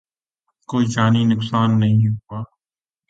کوئی جانی نقصان نہیں ہوا۔